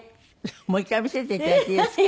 もう一回見せて頂いていいですか？